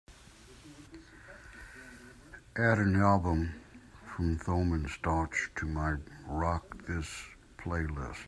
Add an album from Thomen Stauch to my Rock This playlist.